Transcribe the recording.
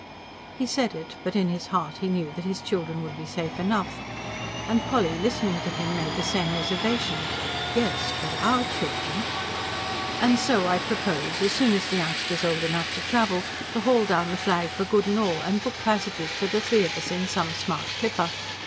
He said it, but in his heart he knew that his children would be safe enough. And Polly, listening to him, made the same reservation: yes, but OUR children.... "And so I propose, as soon as the youngster's old enough to travel, to haul down the flag for good and all, and book passages for the three of us in some smart clipper.